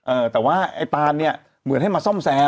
เออแต่ว่าไอ้ตานเนี่ยเหมือนให้มาซ่อมแซม